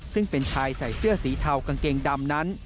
ซึ่งเป็นชายใส่เสื้อสีเทากางเกงดำนั้น